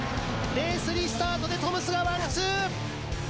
レースリスタートでトムスがワンツー！